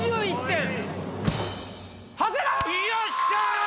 よっしゃ！